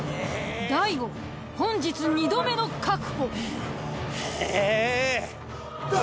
大悟本日２度目の確保。へへっ！